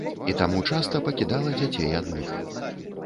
І таму часта пакідала дзяцей адных.